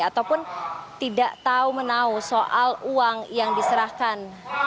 ataupun tidak tahu menau soal uang yang diserahkan